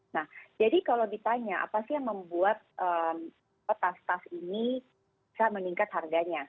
nah jadi kalau ditanya apa sih yang membuat tas tas ini bisa meningkat harganya